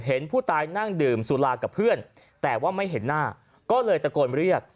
เห็นผู้ตายนั่งดื่มสุรากับเพื่อนแต่ว่าไม่เห็นหน้าก็เลยตะโกนเรียก